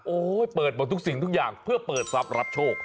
โอ้โหเปิดหมดทุกสิ่งทุกอย่างเพื่อเปิดทรัพย์รับโชค